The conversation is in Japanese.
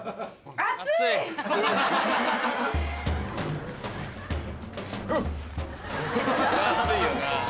熱いよな。